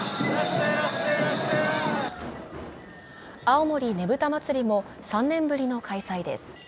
青森ねぶた祭も３年ぶりの開催です